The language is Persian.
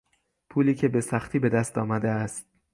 پولی که بسختی به دست آمده است